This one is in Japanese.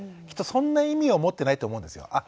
きっとそんな意味は持ってないと思うんですよ。